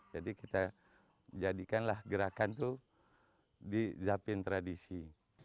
jadi kita jadikanlah gerakan itu di zapin tradisi